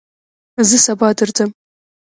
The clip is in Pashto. زه سبا درځم